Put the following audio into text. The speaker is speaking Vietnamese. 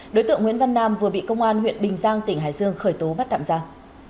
đối tượng nguyễn văn nam vừa bị công an huyện bình giang tỉnh hải dương khởi tố bắt tạm giam